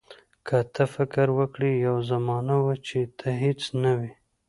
که ته فکر وکړې یوه زمانه وه چې ته هیڅ نه وې.